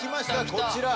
こちら。